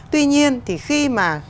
tuy nhiên thì khi mà